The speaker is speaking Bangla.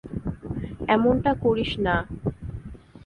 এমনটা করিস না!